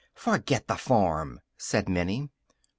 "Forget the farm," said Minnie.